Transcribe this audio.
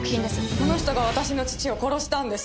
この人が私の父を殺したんです。